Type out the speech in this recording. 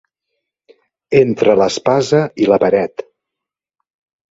Entre l'espasa i la paret.